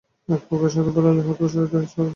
একপ্রকার সাধনপ্রণালী সকলের উপযোগী হতে পারে না।